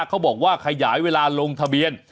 เขาบอกว่าขยายเวลาลงทะเบียน